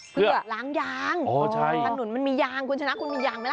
เพื่อล้างยางถนนมันมียางคุณชนะคุณมียางไหมล่ะ